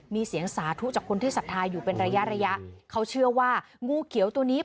มีเสียงสาธุจากคนที่ศรัทธาอยู่เป็นระยะระยะเขาเชื่อว่างูเขียวตัวนี้